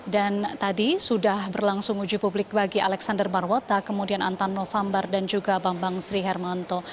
dan tadi sudah berlangsung uji publik bagi alexander barwota kemudian antan novambar dan juga bambang sri hermanto